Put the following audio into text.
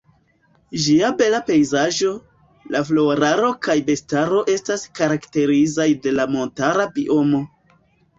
Ĝia bela pejzaĝo, la floraro kaj bestaro estas karakterizaj de la montara biomo.